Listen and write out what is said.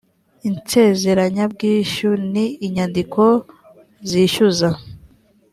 insezeranyabwishyu ni inyandiko zishyuza